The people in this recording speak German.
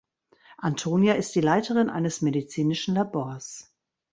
Antonia ist die Leiterin eines medizinischen Labors.